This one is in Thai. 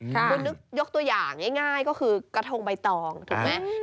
คุณนึกยกตัวอย่างง่ายก็คือกระทงใบตองถูกไหม